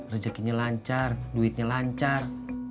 rezekinya lancar duitnya lancar